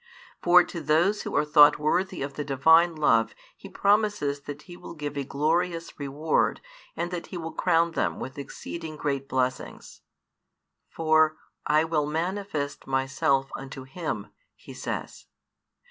For to those who are thought worthy of the Divine love He promises that He will give a glorious reward and that He will crown them with exceeding great blessings. For I will manifest Myself unto him, He says.